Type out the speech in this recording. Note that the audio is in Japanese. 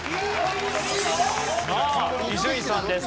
さあ伊集院さんです。